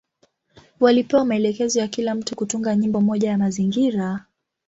Walipewa maelekezo ya kila mtu kutunga nyimbo moja ya mazingira.